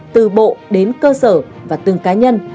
từ bộ đến cơ sở và từng cá nhân